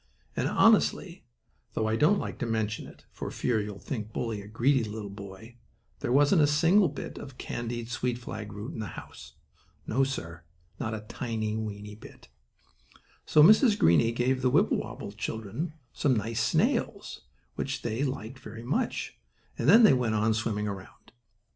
And, honestly, though I don't like to mention it, for fear you'll think Bully a greedy little boy, there wasn't a single bit of candied sweet flag root in the house. No, sir, not a tiny, weeny bit. So Mrs. Greenie gave the Wibblewobble children some nice snails, which they liked very much, and then they went on swimming around.